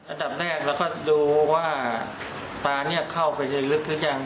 อันดับแรกเราก็ดูว่าปลาเนี่ยเข้าไปในลึกหรือยัง